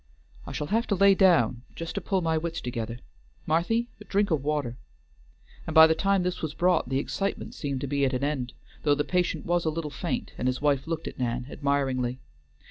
I shall have to lay down just to pull my wits together. Marthy, a drink of water," and by the time this was brought the excitement seemed to be at an end, though the patient was a little faint, and his wife looked at Nan admiringly.